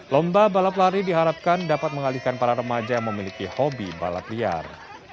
lomba balap lari diharapkan dapat mengalihkan para remaja yang memiliki hobi balap liar